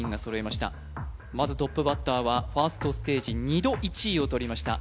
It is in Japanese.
まずトップバッターはファーストステージ２度１位をとりました